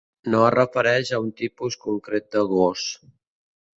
No es refereix a un tipus concret de gos.